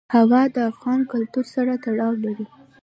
هوا د افغان کلتور سره تړاو لري.